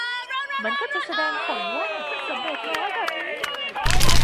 มันก็จะแสดงผลว่าสำเร็จแล้วแบบนี้